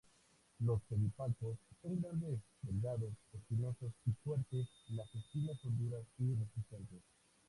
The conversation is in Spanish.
Los pedipalpos son grandes, delgados, espinosos y fuertes, las espinas son duras y resistentes.